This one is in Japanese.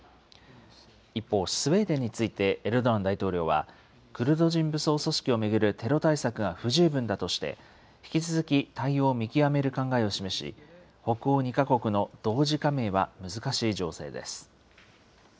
一方、スウェーデンについてエルドアン大統領は、クルド人武装組織を巡るテロ対策が不十分だとして、引き続き対応を見極める考えを示し、北欧２か国の同時加盟は難しい情勢です。